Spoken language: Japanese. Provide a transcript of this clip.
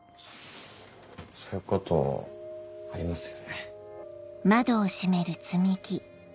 そういうことありますよね。